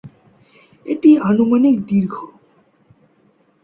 এটি আনুমানিক দীর্ঘ।